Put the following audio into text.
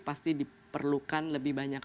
pasti diperlukan lebih banyak